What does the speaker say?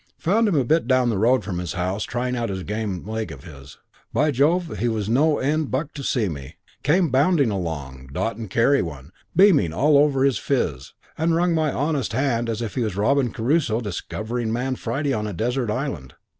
Found him a bit down the road from his house trying out this game leg of his. By Jove, he was no end bucked to see me. Came bounding along, dot and carry one, beaming all over his old phiz, and wrung my honest hand as if he was Robinson Crusoe discovering Man Friday on a desert island.